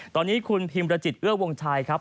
ตอนนี้คุณพิมรจิตเอื้อวงชัยครับ